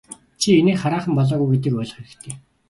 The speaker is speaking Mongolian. Чи инээх хараахан болоогүй гэдгийг ойлгох хэрэгтэй.